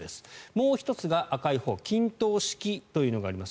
もう１つが赤いほう均等式というのがあります。